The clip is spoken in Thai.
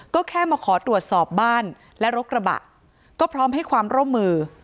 ก็แค่มาขอตรวจสอบบ้านและรถกระบะก็พร้อมให้ความร่วมมือ